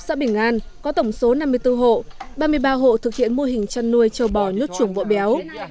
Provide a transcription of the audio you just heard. xã bình an có tổng số năm mươi bốn hộ ba mươi ba hộ thực hiện mô hình chăn nuôi châu bò nhốt chuồng vỗ béo